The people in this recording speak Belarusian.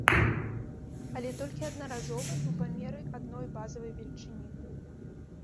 Але толькі аднаразова і ў памеры адной базавай велічыні.